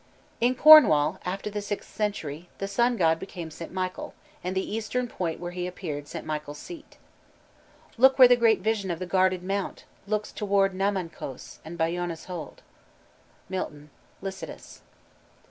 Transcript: In Cornwall after the sixth century, the sun god became St. Michael, and the eastern point where he appeared St. Michael's seat. "Where the great vision of the guarded mount Looks toward Namancos, and Bayona's hold." MILTON: _Lycidas.